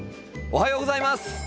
おはようございます。